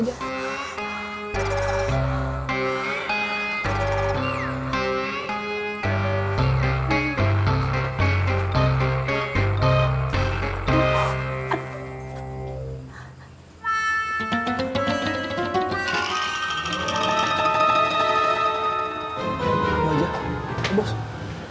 jalan sama gitu takut